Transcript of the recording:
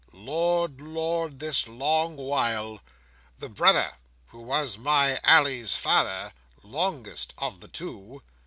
Lord, Lord, this long while! The brother, who was my Ally's father, longest of the two."